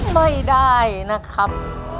ไม่ได้นะครับ